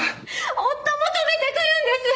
夫も止めてくるんです！